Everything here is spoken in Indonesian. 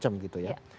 macem macem gitu ya